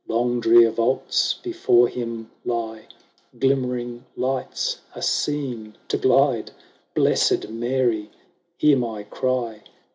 Long drear vaults before him lie !_ Glimmering lights are seen to glide !—" Blessed Mary, hear my cry